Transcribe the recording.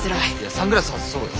サングラス外そうよ。